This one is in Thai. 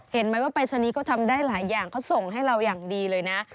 เห็นไหมว่าปรายศนีย์ก็ทำได้หลายอย่างเขาส่งให้เราอย่างดีเลยนะ